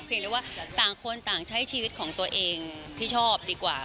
ได้ว่าต่างคนต่างใช้ชีวิตของตัวเองที่ชอบดีกว่า